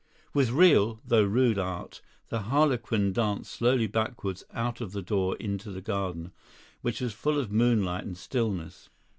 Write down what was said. With real though rude art, the harlequin danced slowly backwards out of the door into the garden, which was full of moonlight and stillness.